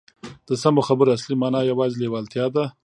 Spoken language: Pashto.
د سمو خبرو اصلي مانا یوازې لېوالتیا ده